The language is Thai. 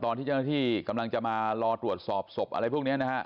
ตอนที่เจ้าหน้าที่กำลังจะมารอตรวจสอบศพอะไรพวกนี้นะฮะ